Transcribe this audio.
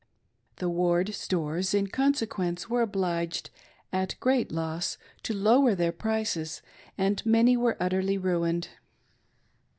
The Ward stores, in consequence, wei e obliged, at great loss, to lower their prices, and many were utterly ruined.